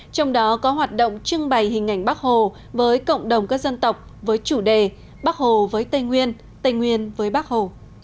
trong đó có hoạt động trưng bày hình ảnh bắc hồ với cộng đồng các dân tộc với chủ đề bắc hồ với tây nguyên tây nguyên với bắc hồ